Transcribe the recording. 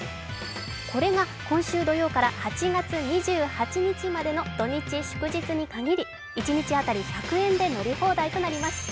これが、今週土曜から８月２８日までの土日・祝日に限り一日当たり１００円で乗り放題となります。